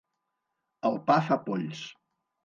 El pa fa polls.